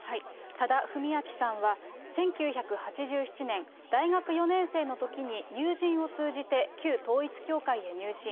多田文明さんは、１９８７年、大学４年生のときに友人を通じて旧統一教会へ入信。